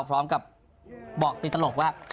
พร้อมกับบอกติดตลกว่า